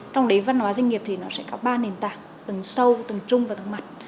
trong đấy văn hóa doanh nghiệp sẽ có ba nền tảng tầng sâu tầng trung và tầng mặt